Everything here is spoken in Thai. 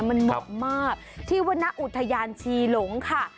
มันเหมาะมากที่วรรณอุทยานชีหลงค่ะ